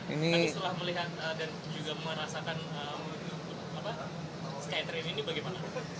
tapi setelah melihat dan juga merasakan skytrain ini bagaimana